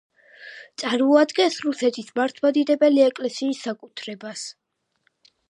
წარმოადგენს რუსეთის მართლმადიდებელი ეკლესიის საკუთრებას.